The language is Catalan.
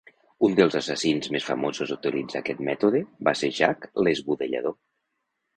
Un dels assassins més famosos a utilitzar aquest mètode va ser Jack l'Esbudellador.